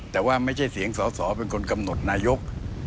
แต่ว่าไม่ใช่เสียงสอสอเป็นคนกำหนดนายก